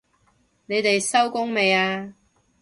你哋收工未啊？